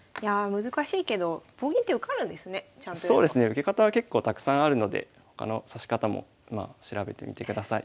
受け方は結構たくさんあるので他の指し方も調べてみてください。